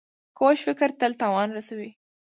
کوږ فکر تل تاوان رسوي